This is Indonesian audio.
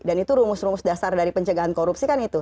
dan itu rumus rumus dasar dari pencegahan korupsi kan itu